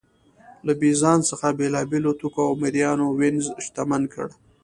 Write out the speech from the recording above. له بېزانس څخه بېلابېلو توکو او مریانو وینز شتمن کړ